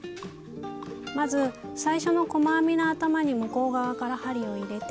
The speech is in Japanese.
まず最初の細編みの頭に向こう側から針を入れて。